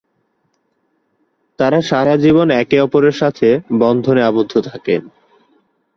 তারা সারা জীবন একে অপরের সাথে বন্ধনে আবদ্ধ থাকেন।